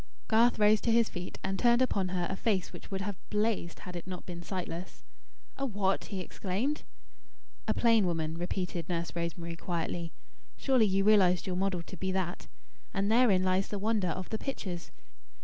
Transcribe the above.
Garth rose to his feet, and turned upon her a face which would have blazed, had it not been sightless. "A WHAT?" he exclaimed. "A plain woman," repeated Nurse Rosemary, quietly. "Surely you realised your model to be that. And therein lies the wonder of the pictures.